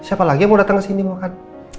apalagi mau datang kesini mau makan